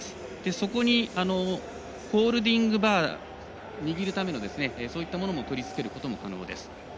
そこにホールディングバー握るための、そういったものを取り付けることも可能です。